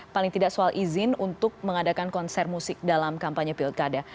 paling tidak soal izin untuk mengadakan konser musik dalam kampanye pilkada